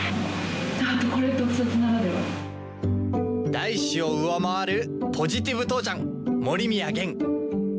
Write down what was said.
大志を上回るポジティブ父ちゃん森宮源。